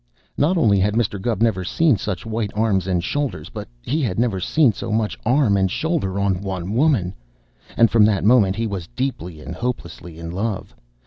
Not only had Mr. Gubb never seen such white arms and shoulders, but he had never seen so much arm and shoulder on one woman, and from that moment he was deeply and hopelessly in love.